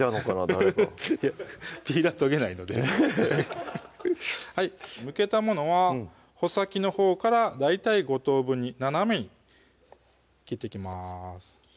誰かいやピーラー研げないのでフフフッむけたものは穂先のほうから大体５等分に斜めに切っていきます